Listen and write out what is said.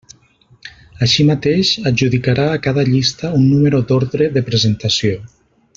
Així mateix, adjudicarà a cada llista un número d'ordre de presentació.